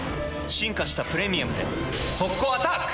進化した「プレミアム」で速攻アタック！